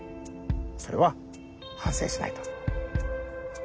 それは反省しないと。